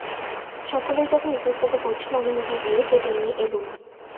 সকলেই যখন ইতস্তত করছিল আমি নিজে গিয়ে কেটে নিয়ে এলুম।